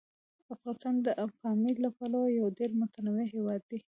افغانستان د پامیر له پلوه یو ډېر متنوع هیواد دی.